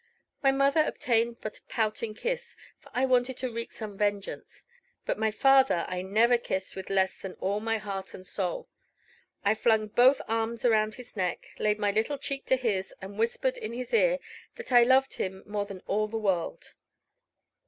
My mother obtained but a pouting kiss, for I wanted to wreak some vengeance; but my father I never kissed with less than all my heart and soul. I flung both arms around his neck, laid my little cheek to his, and whispered in his ear that I loved him more than all the world.